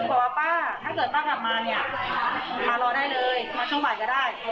เธอตอนนี้ลองลงทะเบียนให้แกเรียบร้อยแล้ว